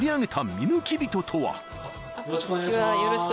よろしくお願いします。